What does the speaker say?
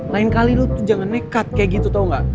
lain kali lu jangan nekat kayak gitu tau gak